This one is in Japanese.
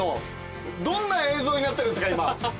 どんな映像になってるんすか今。